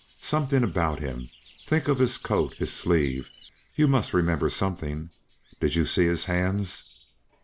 "Something about him. Think of his coat, his sleeve. You must remember something. Did you see his hands?"